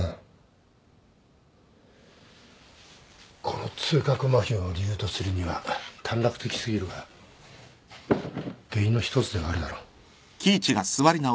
この痛覚まひを理由とするには短絡的すぎるが原因の一つではあるだろう。